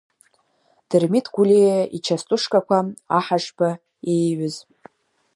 Дырмит Гәлиа ичастушкақәа, Аҳашба ииҩыз.